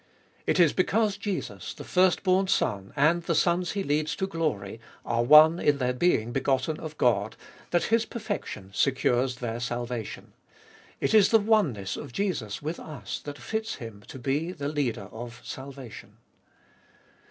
It is because Jesus, the firstborn Son, and the sons He leads to glory, are one in their being begotten of God, that His perfection secures their salvation. It is the oneness of Jesus with us that fits Him to be the Leader of salvation.